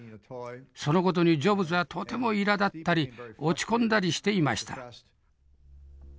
その事にジョブズはとてもいらだったり落ち込んだりしていました。